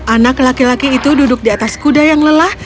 anak laki laki itu duduk di atas kuda yang lelah